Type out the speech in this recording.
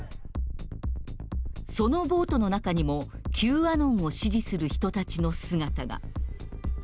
その暴徒の中にもＱアノンを支持する人たちの姿が。